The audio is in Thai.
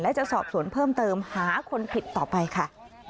และจะสอบสวนเพิ่มเติมหาคนผิดต่อไปค่ะ